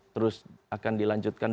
terus akan dilanjutkan